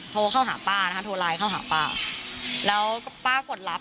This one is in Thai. โทรเข้าหาป้านะคะโทรไลน์เข้าหาป้าแล้วป้ากดลับ